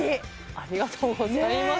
ありがとうございます